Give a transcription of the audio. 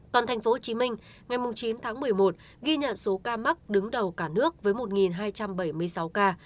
còn thành phố hồ chí minh ngày chín tháng một mươi một ghi nhận số ca mắc đứng đầu cả nước với một hai trăm bảy mươi sáu ca